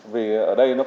vì ở đây nó có